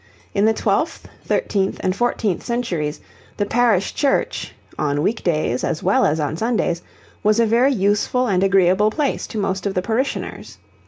In the twelfth, thirteenth, and fourteenth centuries, the parish church, on week days as well as on Sundays, was a very useful and agreeable place to most of the parishioners.